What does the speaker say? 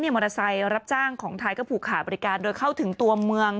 มอเตอร์ไซค์รับจ้างของไทยก็ผูกขาดบริการโดยเข้าถึงตัวเมือง